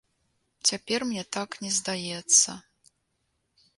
Цяпер мне так не здаецца.